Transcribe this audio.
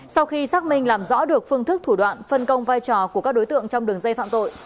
sau khi xác minh làm rõ được phương thức thủ đoạn phân công vai trò của các đối tượng trong đường dây phạm tội